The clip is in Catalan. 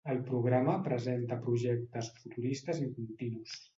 El programa presentava projectes futuristes i continus.